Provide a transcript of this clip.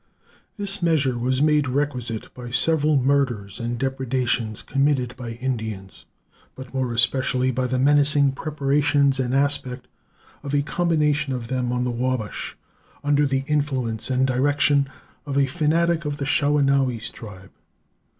This measure was made requisite by several murders and depredations committed by Indians, but more especially by the menacing preparations and aspect of a combination of them on the Wabash, under the influence and direction of a fanatic of the Shawanese tribe.